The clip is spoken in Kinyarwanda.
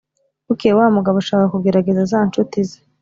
bukeye wa mugabo ashaka kugerageza za nshuti ze.